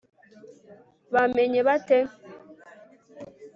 bamenye bate